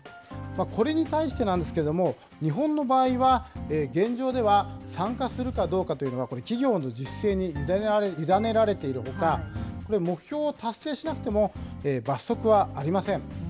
これに対してなんですけれども、日本の場合は、現状では、参加するかどうかというのは、これ、企業の自主性に委ねられているほか、目標を達成しなくても罰則はありません。